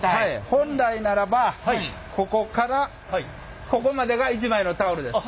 本来ならばここからここまでが１枚のタオルです。